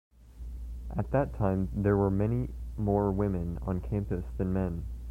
At that time, there were many more women on campus than men.